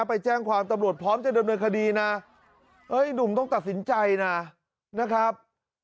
ไปแจ้งความตำรวจพร้อมจะดำเนินคดีนะเอ้ยหนุ่มต้องตัดสินใจนะนะครับ